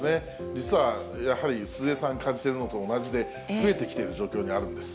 実は、やはり鈴江さん感じているのと同じで、増えてきている状況にあるようです。